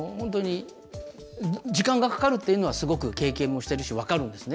時間がかかるというのはすごく、経験もしているし分かるんですね。